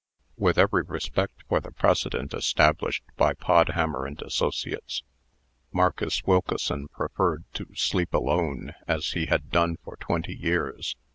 With every respect for the precedent established by Podhammer and associates, Marcus Wilkeson preferred to sleep alone, as he had done for twenty years.